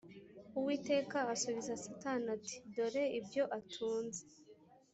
uwiteka asubiza satani ati dore ibyo atunze